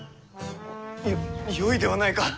よよいではないか。